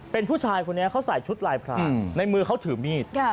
เป็นผู้ชายคนนี้เขาใส่ชุดลายพรางในมือเขาถือมีด